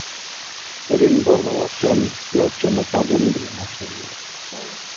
হরিণগর্বমোচন লোচনে কাজল দিয়ো না সরলে!